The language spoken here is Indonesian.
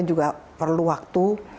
kita juga perlu waktu